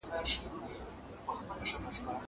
زه بايد درسونه اورم!